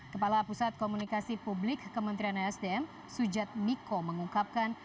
kepala pusat komunikasi publik kementerian esdm sujat miko mengungkapkan